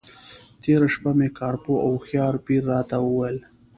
تېره شپه مې کار پوه او هوښیار پیر راته وویل.